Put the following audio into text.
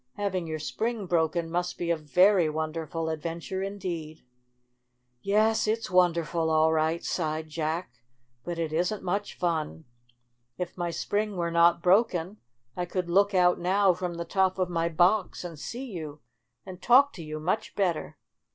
Having your spring broken must be a very wonderful adventure in deed." "Yes, it's wonderful, all right," sighed Jack. "But it isn't much fun. If my spring were not broken I could look out now from the top of my box and see you and talk to you much better.